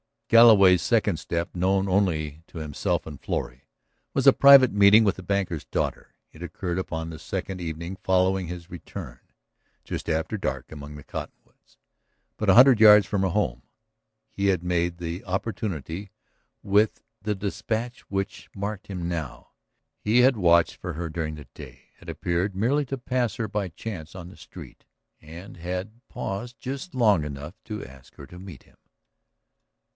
Galloway's second step, known only to himself and Florrie, was a private meeting with the banker's daughter. It occurred upon the second evening following his return, just after dark among the cottonwoods, but a hundred yards from her home. He had made the opportunity with the despatch which marked him now; he had watched for her during the day, had appeared merely to pass her by chance on the street, and had paused just long enough to ask her to meet him.